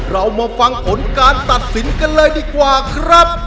เรามาฟังผลการตัดสินกันเลยดีกว่าครับ